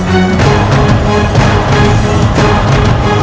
selasi selasi bangun